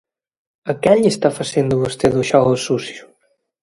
¿A quen lle está facendo vostede o xogo sucio?